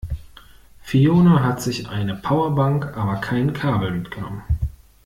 Fiona hat sich eine Powerbank, aber kein Kabel mitgenommen.